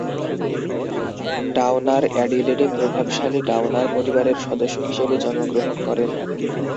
ডাউনার অ্যাডিলেডে প্রভাবশালী ডাউনার পরিবারের সদস্য হিসেবে জন্মগ্রহণ করেন।